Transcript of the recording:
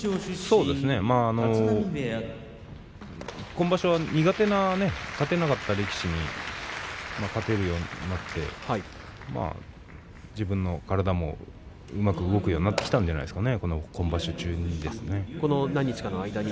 そうですね、今場所は苦手な勝てなかった力士に勝てるようになって自分の体もうまく動くようになってきたんじゃないでしょうか。